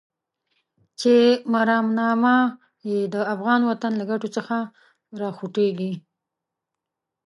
چې مرامنامه يې د افغان وطن له ګټو څخه راوخوټېږي.